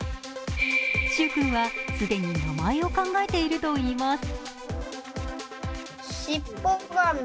修海君は既に名前を考えているといいます。